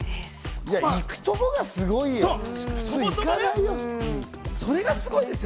行くところがすごいよ。